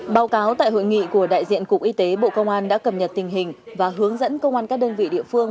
báo cáo tại hội nghị của đại diện cục y tế bộ công an đã cầm nhật tình hình và hướng dẫn công an các đơn vị địa phương